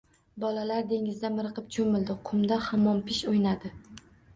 Bolalar dengizda miriqib choʻmildi, qumda hammompish oʻynadi